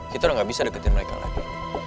kita udah gak bisa deketin mereka lagi